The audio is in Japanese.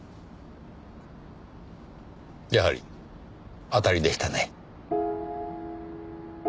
やはり当たりでしたね。